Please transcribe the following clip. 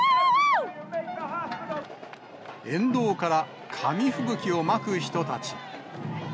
沿道から紙吹雪をまく人たち。